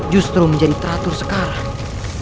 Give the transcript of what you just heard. justru menjadi teratur sekarang